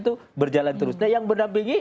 itu berjalan terus nah yang mendampingi